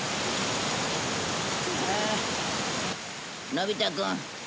のび太くん。